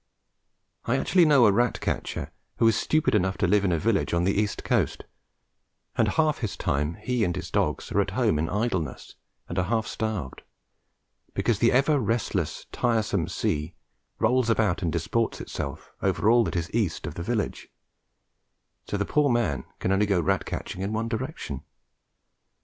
I actually know a rat catcher who is stupid enough to live in a village on the east coast, and half his time he and his dogs are at home in idleness and are half starved, because the ever restless tiresome sea rolls about and disports itself over all that is east of the village, so the poor man can only go rat catching in one direction.